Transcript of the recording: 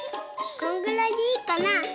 こんぐらいでいいかな。